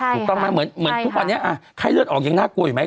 ถูกต้องไหมเหมือนทุกวันนี้ไข้เลือดออกยังน่ากลัวอยู่ไหม